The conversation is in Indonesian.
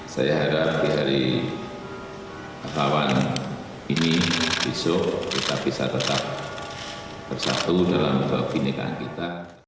saya harap di hari lawan ini besok kita bisa tetap bersatu dalam kebinekaan kita